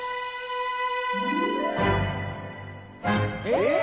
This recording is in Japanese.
えっ！？